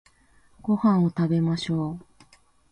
ご飯を食べましょう